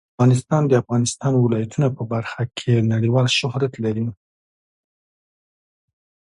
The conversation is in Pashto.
افغانستان د د افغانستان ولايتونه په برخه کې نړیوال شهرت لري.